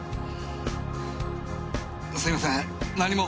すいません何も。